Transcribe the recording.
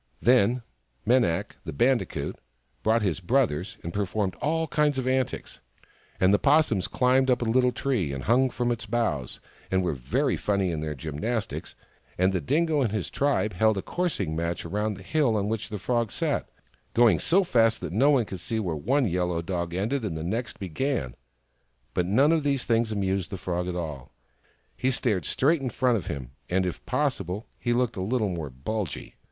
Then Menak, the Bandicoot, brought his brothers, and performed all kinds of antics ; and the 'Possums climbed up a little tree and hung 124 THE FROG THAT LAUGHED from its boughs, and were very funny in their gymnastics ; and the Dingo and his tribe held a coursing match round the hill on which the Frog sat, going so fast that no one could see where one yellow dog ended and the next began ; but none of these things amused the Frog at all. He stared straight in front of him, and, if possible, he looked a little more bulgy.